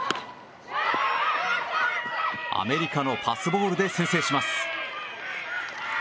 アメリカのパスボールで先制します。